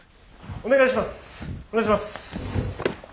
お願いします。